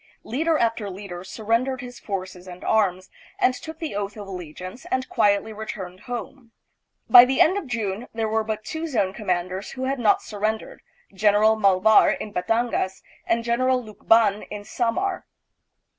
Leader after leader surrendered his forces and arms, and took the oath of alle giance and quietly returned home. By the end of June there were but two zone commanders who had not sur rendered, General Malvar in Batangas, and General Lukban in Samar.